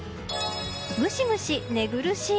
ムシムシ、寝苦しい。